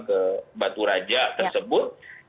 ke batu raja tersebut